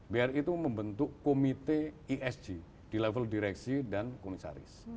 bri itu membentuk komite esg di level direksi dan komisaris